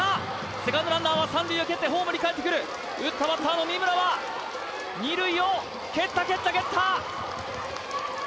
セカンドランナーは三塁を蹴ってホームにかえってくる打ったバッターの三村は二塁を蹴った蹴った蹴った！